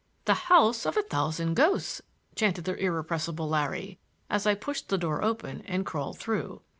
"The house of a thousand ghosts," chanted the irrepressible Larry, as I pushed the door open and crawled through.